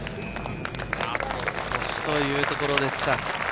あと少しというところでしょうか。